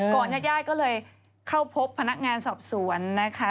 ญาติญาติก็เลยเข้าพบพนักงานสอบสวนนะคะ